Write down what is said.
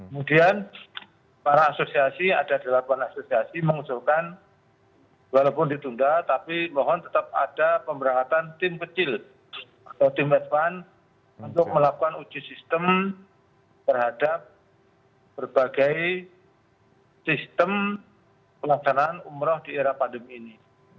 kemudian para asosiasi ada delapan asosiasi mengusulkan walaupun ditunda tapi mohon tetap ada pemberantasan tim kecil atau tim medvan untuk melakukan uji sistem berhadap berbagai sistem pelaksanaan umroh di era pandemi ini